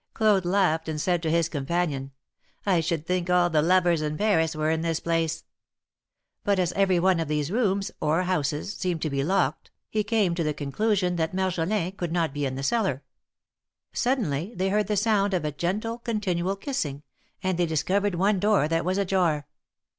Claude laughed, and said to his companion : should think all the lovers in Paris were in this place I " 284 THE MARKETS OF PARIS. But as every one of these rooms, or houses, seemed to be locked, he came to the conclusion that Marjolin could not be in the cellar. Suddenly they heard the sound of gentle, continual kissing, and they discovered one door that was ajar.